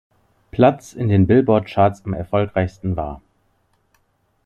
Platz in den Billboard-Charts am erfolgreichsten war.